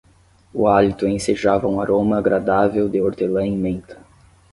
O hálito ensejava um aroma agradável de hortelã e menta